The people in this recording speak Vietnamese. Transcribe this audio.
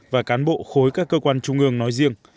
và cán bộ khối các cơ quan trung ương nói riêng